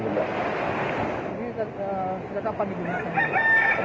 ini sudah kapan digunakan